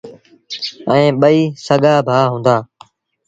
ائيٚݩ ٻئيٚ سڳآ ڀآ هُݩدآ۔